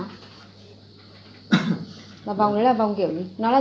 vòng đấy là vòng kiểu nó là dạng kiểu vân hay là chất lượng cao hơn à